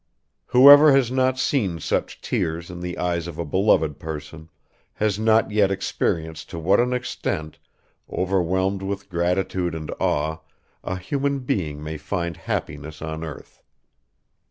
Whoever has not seen such tears in the eyes of a beloved person has not yet experienced to what an extent, overwhelmed with gratitude and awe, a human being may find happiness on earth.